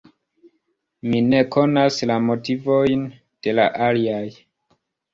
Mi ne konas la motivojn de la aliaj.